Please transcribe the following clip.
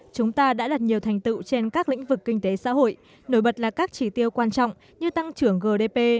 chúng ta đã đạt nhiều thành tựu trên các lĩnh vực kinh tế xã hội nổi bật là các chỉ tiêu quan trọng như tăng trưởng gdp